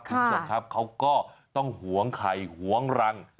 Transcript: คุณผู้ชมครับเขาก็ต้องหวงไข่หวงรัง